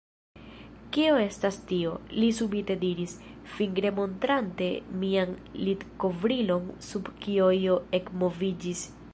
Kio estas tio? li subite diris, fingre montrante mian litkovrilon sub kio io ekmoviĝis.